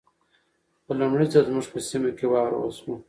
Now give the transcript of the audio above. په لمړي ځل زموږ په سيمه کې واوره وشوه.